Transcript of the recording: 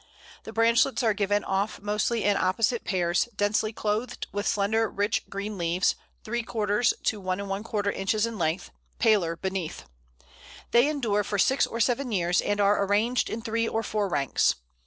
The branchlets are given off mostly in opposite pairs, densely clothed with slender, rich green leaves, ¾ to 1¼ inches in length, paler beneath. They endure for six or seven years, and are arranged in three or four ranks.